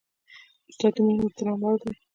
استاد د مینې او احترام وړ دی.